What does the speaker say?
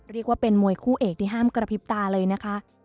เรียกว่าเป็นมวยคู่เอกที่ห้ามกระพริบตาเลยนะคะ